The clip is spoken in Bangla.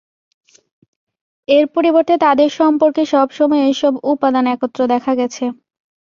এর পরিবর্তে তাদের সম্পর্কে সব সময় এসব উপাদান একত্র দেখা গেছে।